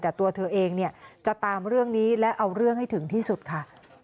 แต่ตัวเธอเองเนี่ยจะตามเรื่องนี้และเอาเรื่องให้ถึงที่สุดค่ะ